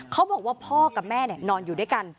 เขาบอกว่าพ่อกับแม่นอนอยู่ด้วยกัน